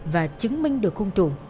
và chứng minh được hùng thủ